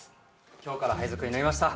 今日から配属になりました